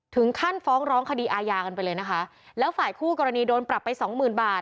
ถึงขั้นฟ้องร้องคดีอาญากันไปเลยนะคะแล้วฝ่ายคู่กรณีโดนปรับไปสองหมื่นบาท